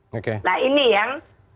nah ini yang